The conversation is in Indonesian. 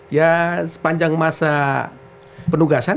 ya sepanjang masa penugasan